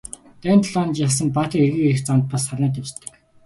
Дайн тулаанд ялсан баатрын эргэн ирэх замд бас сарнай дэвсдэг.